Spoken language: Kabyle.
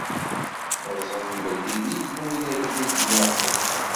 Ad ẓren belli d Illu i d agellid n Yeɛqub.